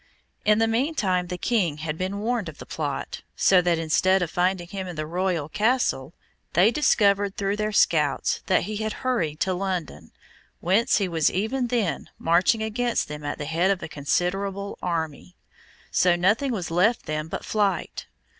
In the mean time the King had been warned of the plot, so that, instead of finding him in the royal castle, they discovered through their scouts that he had hurried to London, whence he was even then marching against them at the head of a considerable army. So nothing was left them but flight.